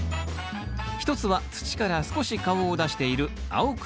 一つは土から少し顔を出している青首。